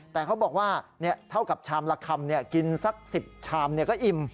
แต่เขาบอกว่าเท่ากับชามละคำกินสัก๑๐ชามก็อิ่ม